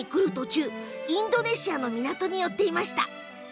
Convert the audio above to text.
貿易船はインドネシアの港に寄っていました。